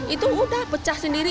itu sudah pecah sendiri